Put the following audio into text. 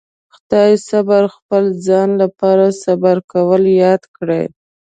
خدای صبر خپل ځان لپاره صبر کول ياد کړي.